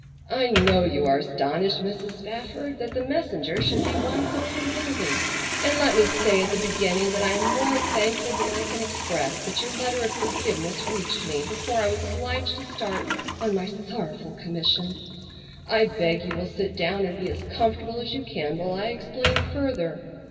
"I know you are astonished, Mrs. Spafford, that the messenger should be one so unworthy, and let me say at the beginning that I am more thankful than I can express that your letter of forgiveness reached me before I was obliged to start on my sorrowful commission. I beg you will sit down and be as comfortable as you can while I explain further.